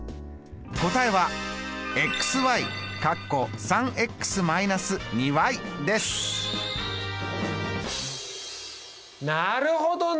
答えはなるほどね。